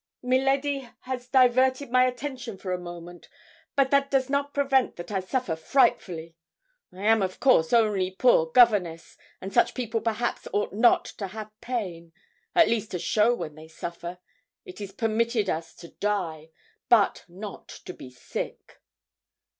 'Mi ladi has diverted my attention for a moment, but that does not prevent that I suffer frightfully. I am, of course, only poor governess, and such people perhaps ought not to have pain at least to show when they suffer. It is permitted us to die, but not to be sick.'